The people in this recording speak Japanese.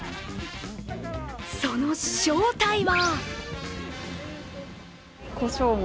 その正体は？